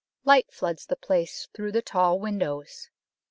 Light floods the place through the tall windows.